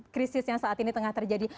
krisis yang saat ini tengah terjadi